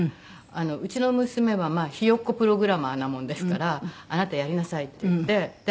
うちの娘はひよっこプログラマーなものですから「あなたやりなさい」って言って。